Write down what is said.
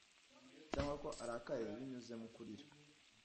cyangwa ko arakaye binyuze mu kurira,